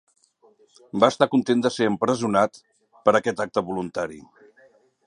Va estar content de ser empresonat per aquest acte voluntari.